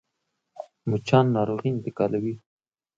مچان ناروغي انتقالوي